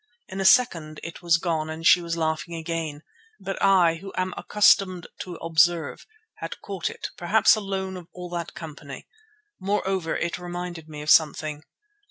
In a second it was gone and she was laughing again; but I, who am accustomed to observe, had caught it, perhaps alone of all that company. Moreover, it reminded me of something.